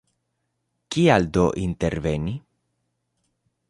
Kial do interveni?